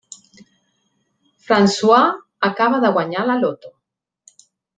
François acaba de guanyar la loto.